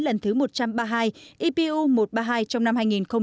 lần thứ một trăm ba mươi hai epu một trăm ba mươi hai trong năm hai nghìn một mươi năm